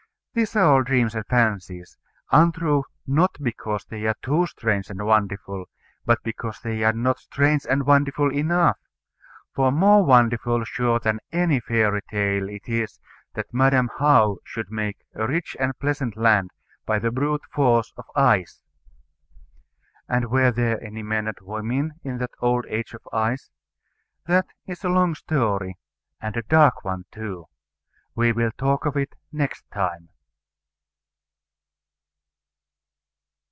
These are all dreams and fancies untrue, not because they are too strange and wonderful, but because they are not strange and wonderful enough: for more wonderful sure than any fairy tale it is, that Madam How should make a rich and pleasant land by the brute force of ice. And were there any men and women in that old age of ice? That is a long story, and a dark one too; we will talk of it next time.